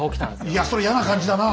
いやそれ嫌な感じだな。